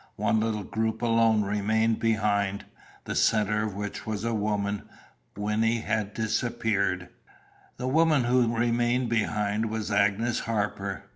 One little group alone remained behind, the centre of which was a woman. Wynnie had disappeared. The woman who remained behind was Agnes Harper.